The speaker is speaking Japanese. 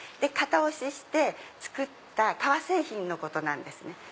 型押しして作った革製品のことなんですね。